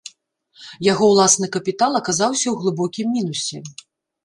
Яго ўласны капітал аказаўся ў глыбокім мінусе.